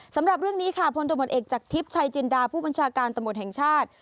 สำหรับเรื่องนี้ค่ะพลตำรวจเอกจากทิพย์ชัยจินดาผู้บัญชาการตำรวจแห่งชาติ